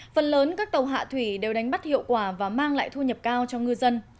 phần lớn các tàu hạ thủy đều đánh bắt hiệu quả và mang lại thu nhập cao cho ngư dân